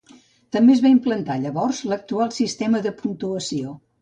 També es va implantar llavors l'actual sistema de puntuació.